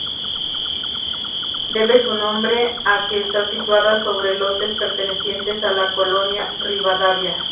Debe su nombre a que está situada sobre lotes pertenecientes a la Colonia Rivadavia.